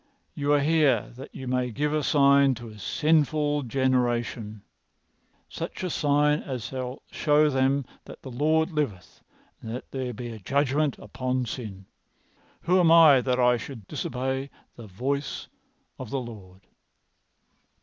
'You are here that you may give a sign to a sinful generation—such a sign as shall show them that the Lord liveth and that there is a judgment upon sin.' Who am I that I should disobey the voice of the Lord?"